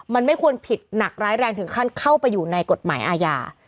มันไม่ควรผิดหนักร้ายแรงถึงขั้นเข้าไปอยู่ในกฎหมายอาญา